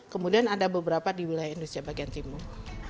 kemudian ada beberapa di wilayah indonesia bagian timur